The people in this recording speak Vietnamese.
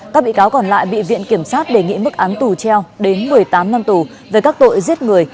các bị cáo còn lại bị viện kiểm sát đề nghị mức án tù treo đến một mươi tám năm tù về các tội giết người